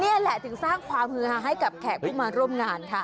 นี่แหละถึงสร้างความฮือฮาให้กับแขกผู้มาร่วมงานค่ะ